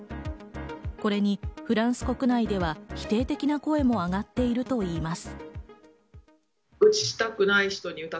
これにフランス国内では否定的な声もあがっているといいます。